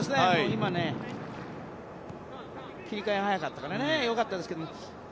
今、切り替えが早かったから良かったですが。